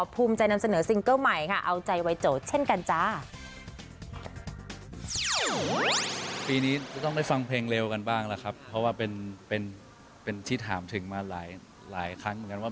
พี่ถามถึงมาหลายครั้งเหมือนกันว่า